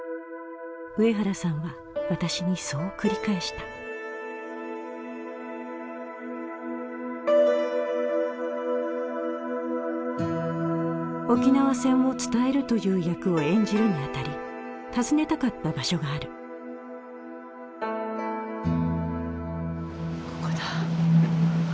上原さんは私にそう繰り返した沖縄戦を伝えるという役を演じるにあたり訪ねたかった場所があるここだ。